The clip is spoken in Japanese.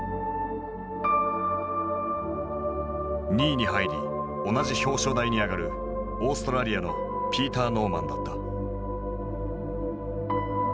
２位に入り同じ表彰台に上がるオーストラリアのピーター・ノーマンだった。